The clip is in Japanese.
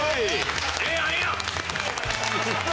ええやんええやん！